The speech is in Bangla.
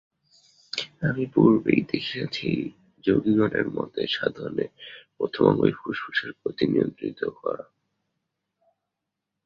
আমরা পূর্বেই দেখিয়াছি, যোগিগণের মতে সাধনের প্রথম অঙ্গই ফুসফুসের গতি নিয়ন্ত্রিত করা।